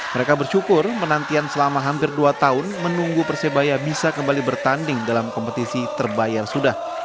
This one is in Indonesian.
mereka bersyukur penantian selama hampir dua tahun menunggu persebaya bisa kembali bertanding dalam kompetisi terbayar sudah